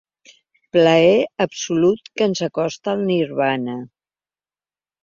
Plaer absolut que ens acosta al nirvana.